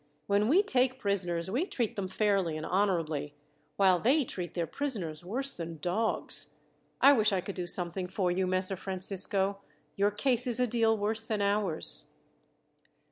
When we take prisoners we treat them fairly and honourably, while they treat their prisoners worse than dogs. I wish I could do something for you, Messer Francisco. Your case is a deal worse than ours.